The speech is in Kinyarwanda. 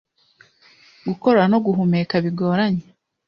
gukorora no guhumeka bigoranye